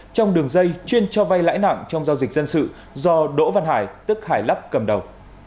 trong đường dây chuyên cho vay lãi nặng trong giao dịch dân sự do đỗ văn hải tức hải lắp cầm đầu